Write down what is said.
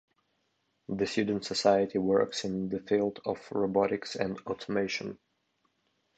The student society works in the field of robotics and automation.